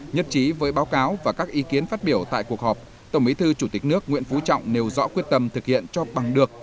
nhất trí với báo cáo và các ý kiến phát biểu tại cuộc họp tổng bí thư chủ tịch nước nguyễn phú trọng nêu rõ quyết tâm thực hiện cho bằng được